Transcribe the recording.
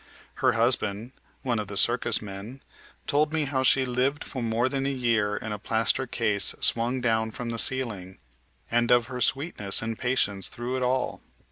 Her husband, one of the circus men, told me how she lived for more than a year in a plaster case swung down from the ceiling, and of her sweetness and patience through it all.